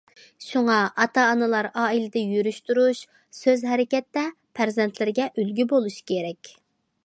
شۇڭا، ئاتا- ئانىلار ئائىلىدە يۈرۈش- تۇرۇش، سۆز- ھەرىكەتتە پەرزەنتلىرىگە ئۈلگە بولۇش كېرەك.